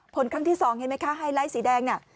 ครั้งที่๒เห็นไหมคะไฮไลท์สีแดงน่ะ